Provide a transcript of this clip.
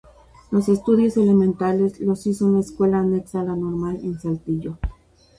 Los estudios elementales los hizo en la escuela Anexa a la Normal, en Saltillo.